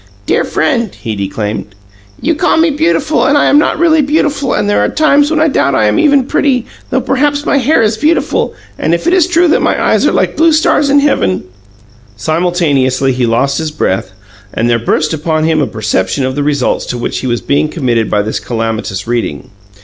"'Dear friend,"' he declaimed. "'You call me beautiful, but I am not really beautiful, and there are times when I doubt if I am even pretty, though perhaps my hair is beautiful, and if it is true that my eyes are like blue stars in heaven '" Simultaneously he lost his breath and there burst upon him a perception of the results to which he was being committed by this calamitous reading.